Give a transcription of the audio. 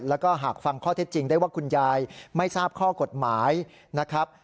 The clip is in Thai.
แล้วก็หากฟังข้อเท็จจริงได้ว่าคุณยายไม่ทราบข้อกฎหมายนะครับ